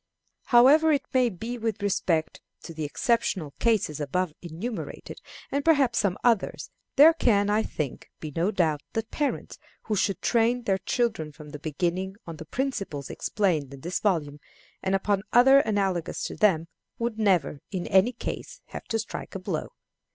However it may be with respect to the exceptional cases above enumerated, and perhaps some others, there can, I think, be no doubt that parents who should train their children from the beginning on the principles explained in this volume, and upon others analogous to them, would never, in any case, have to strike a blow.